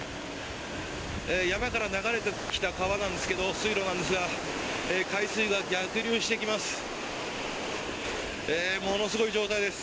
山から流れてきた川なんですが水路なんですが海水が逆流してきます。